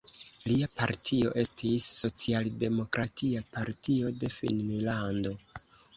Lia partio estis Socialdemokratia Partio de Finnlando.